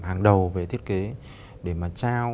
hàng đầu về thiết kế để mà